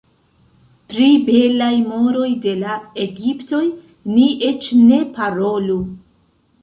Pri belaj moroj de la egiptoj ni eĉ ne parolu.